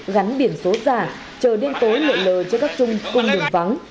gắn biển số giả chờ đêm tối lựa lờ cho các trung cung đường vắng